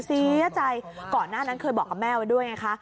เสียใจก่อนหน้านั้นเคยบอกกับแม่ไว้ด้วยไงคะ